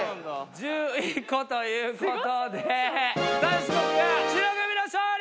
１１個ということで３種目目は白組の勝利！